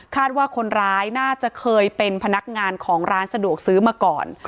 ว่าคนร้ายน่าจะเคยเป็นพนักงานของร้านสะดวกซื้อมาก่อน